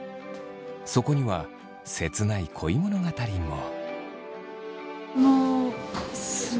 そこには切ない恋物語も。